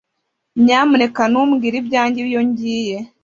Nyamuneka ntumbwire ibyanjye iyo ngiye